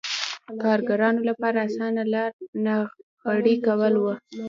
کارګرانو لپاره اسانه لار ناغېړي کول و.